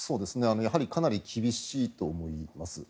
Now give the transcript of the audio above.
かなり厳しいと思います。